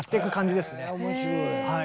面白い。